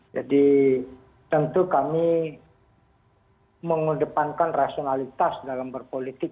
jadi tentu kami mengedepankan rasionalitas dalam berpolitik